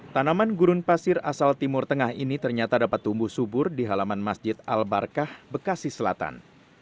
tanaman gurun pasir asal timur tengah ini ternyata dapat tumbuh subur di halaman masjid al barkah bekasi selatan